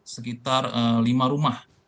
sekitar lima rumah